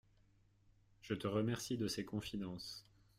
Je te remercie de ces confidences.